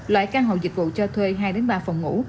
loại căn hộ dịch vụ cho thuê hai ba phòng ngủ